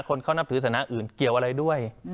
คนเขานับถือศาสนาอื่นเกี่ยวอะไรด้วย